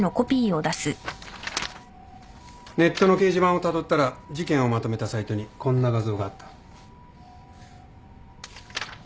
ネットの掲示板をたどったら事件をまとめたサイトにこんな画像があった。